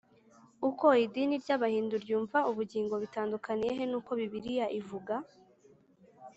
uko idini ry’abahindu ryumva ubugingo bitandukaniye he n’uko bibiliya ibivuga?